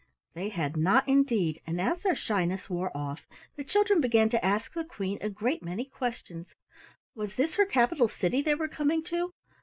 They had not indeed, and as their shyness wore off, the children began to ask the Queen a great many questions. Was this her capital city they were coming to?